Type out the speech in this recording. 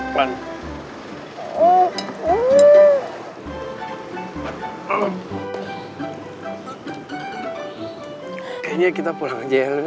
kayaknya kita pulang aja ya elennya